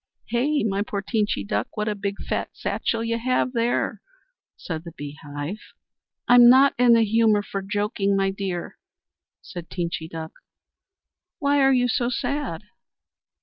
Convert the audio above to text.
"Hey, my poor Teenchy Duck! What a big fat satchel you have there," said the Bee Hive. "I'm not in the humour for joking, my dear," said Teenchy Duck. "Why are you so sad?"